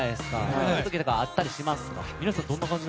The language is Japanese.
そういう時あったりしますか？